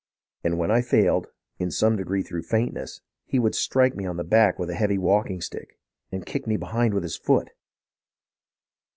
And when I failed, in some degree through faintness, he would strike me on the back with a heavy walking stick, and kick me behind with his foot.